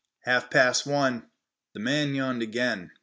"Half past one." The man yawned again.